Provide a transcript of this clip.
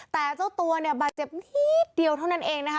แต่เจ้าตัวเนี่ยบาดเจ็บนิดเดียวเท่านั้นเองนะคะ